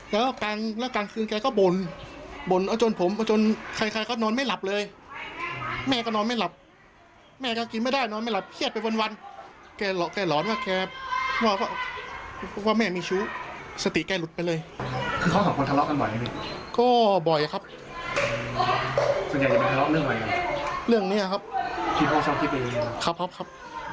ส่วนใหญ่จะเป็นคำถามเรื่องอะไรนะครับเรื่องนี้ครับที่พ่อคิดไปเองนะครับ